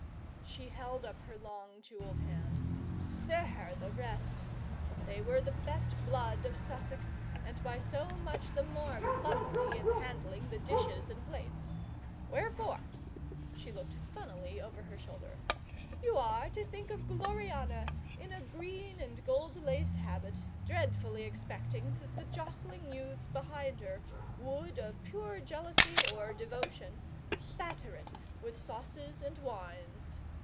She held up her long jewelled hand. 'Spare the rest! They were the best blood of Sussex, and by so much the more clumsy in handling the dishes and plates. Wherefore' she looked funnily over her shoulder 'you are to think of Gloriana in a green and gold laced habit, dreadfully expecting that the jostling youths behind her would, of pure jealousy or devotion, spatter it with sauces and wines.